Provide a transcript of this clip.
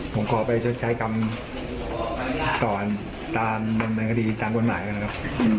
ผมขอไปใช้กรรมต่อตามในคดีตามต้นหมายกันนะครับ